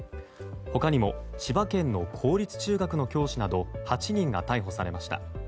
他にも千葉県の公立中学の教師など８人が逮捕されました。